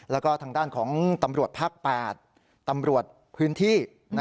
แล้วก็ทางด้านของตำรวจภาค๘ตำรวจพื้นที่